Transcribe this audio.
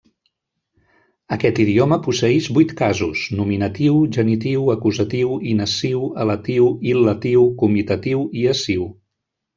Aquest idioma posseïx vuit casos: nominatiu, genitiu, acusatiu, inessiu, elatiu, il·latiu, comitatiu i essiu.